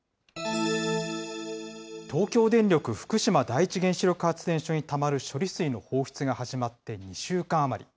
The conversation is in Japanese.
東京電力福島第一原子力発電所にたまる処理水の放出が始まって２週間余り。